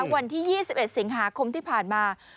วันที่๒๑สิงหาคมที่ผ่านมา